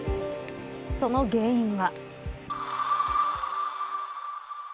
その原因は。